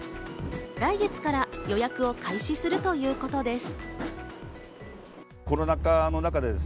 来月から予約を開始するということです。